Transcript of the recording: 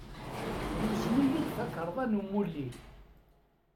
Yuzen-iyi-d takarḍa n umulli.